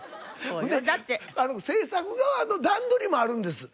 ほんで制作側の段取りもあるんです。